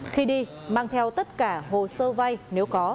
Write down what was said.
khi đi mang theo tất cả hồ sơ vay nếu có